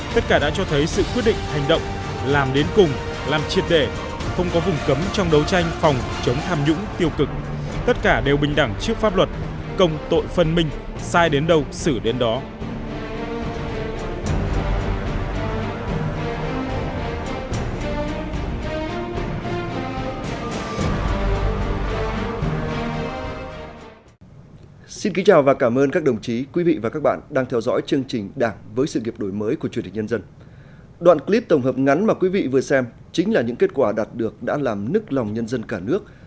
tất cả đã cho thấy sự quyết định hành động làm đến cùng làm triệt để không có vùng cấm trong đấu tranh phòng chống tham nhũng tiêu cực tất cả đều bình đẳng trước pháp luật công tội phân minh sai đến đâu xử đến đó